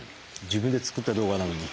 自分で作った動画なのに。